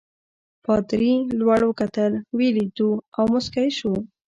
پادري لوړ وکتل ویې لیدو او مسکی شو.